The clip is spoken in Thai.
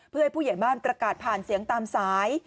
เพื่อให้ผู้ใหญ่บ้านประกาศผ่านเสียงตามสาย